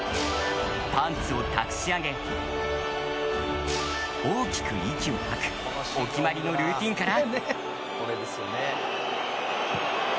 パンツをたくし上げ大きく息を吐くお決まりのルーチンから。